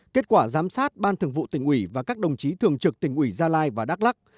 kết quả giám sát ban thường vụ tỉnh ủy và các đồng chí thường trực tỉnh ủy gia lai và đắk lắc